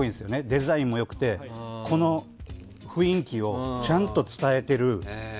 デザインもよくてこの雰囲気もちゃんと伝えている。